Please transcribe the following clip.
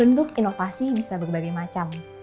bentuk inovasi bisa berbagai macam